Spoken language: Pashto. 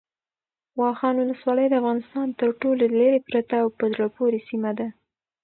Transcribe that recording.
واخان ولسوالۍ د افغانستان تر ټولو لیرې پرته او په زړه پورې سیمه ده.